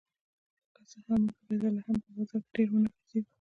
که څه هم موږ د بیت لحم په بازار کې ډېر ونه ګرځېدو.